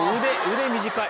腕短い。